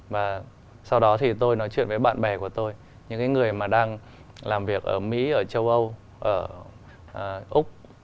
và sau đó thì tôi nói chuyện với bạn bè của tôi những cái người mà đang làm việc ở mỹ ở châu âu ở úc